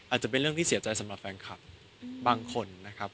อาจจะเป็นเรื่องที่เสียใจสำหรับแฟนคลับบางคนนะครับ